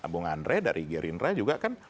bung andre dari gerindra juga kan